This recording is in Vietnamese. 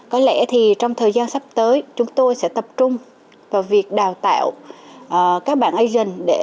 có lẽ thì trong thời gian sắp tới chúng tôi sẽ tập trung vào việc đào tạo các bạn asian